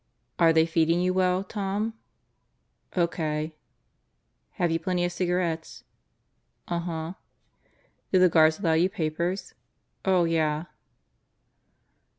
"Are they feeding you well, Tom?" "O.K." "Have you plenty of cigarettes?" "Uh huh." "Do the guards allow you papers?" "Oh; yeah."